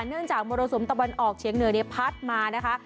จากมรสุมตะวันออกเฉียงเหนือเนี่ยพัดมานะคะ